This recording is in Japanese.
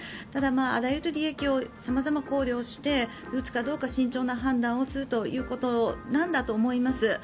ただ、あらゆる利益を様々考慮して打つかどうか慎重な判断をするということだと思います。